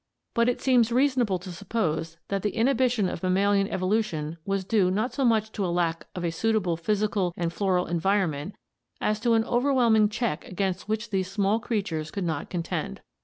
But it seems reasonable to suppose that the inhibition of mammalian evolution was due not so much to lack of a suitable physical and floral environment as to an overwhelming check against which these small creatures could not contend.